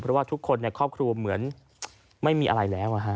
เพราะว่าทุกคนในครอบครัวเหมือนไม่มีอะไรแล้ว